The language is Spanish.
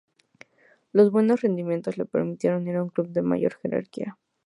Los buenos rendimientos, le permitieron ir a un club de mayor jerarquía.